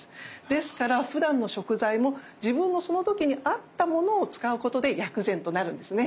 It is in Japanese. ですからふだんの食材も自分のその時に合ったものを使うことで薬膳となるんですね。